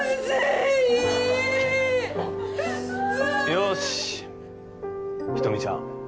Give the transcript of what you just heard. よし人見ちゃん